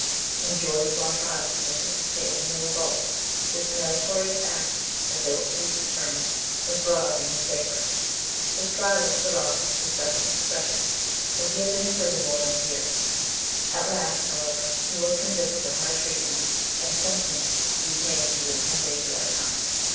When George was on trial for participating in the revolt, this "meritorious act," as they were pleased to term it, was brought up in his favour. His trial was put off from session to session, till he had been in prison more than a year. At last, however, he was convicted of high treason, and sentenced to be hanged within ten days of that time.